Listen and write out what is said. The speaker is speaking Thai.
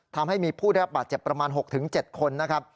ทำให้มีผู้ได้รับบาดเจ็บประมาณ๖๗คนนะครับ